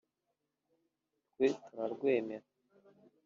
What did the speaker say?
Twe turarwemera